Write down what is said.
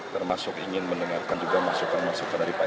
termasuk ingin mendengarkan juga masukan masukan yang ada di dalam hal ini